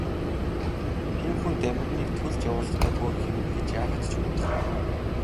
Тийм хүн Дамираныг төлд явуулахдаа хөөрхий минь гэж яагаад ч бодохгүй.